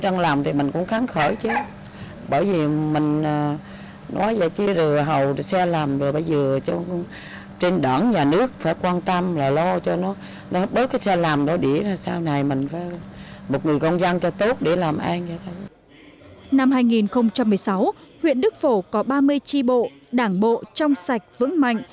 năm hai nghìn một mươi sáu huyện đức phổ có ba mươi tri bộ đảng bộ trong sạch vững mạnh